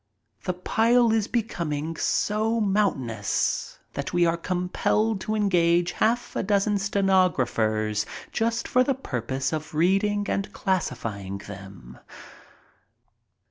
The pile is becoming so mountainous that we are com A MEMORABLE NIGHT IN LONDON 77 pelled to engage half a dozen stenographers just for the pur pose of reading and classifying them.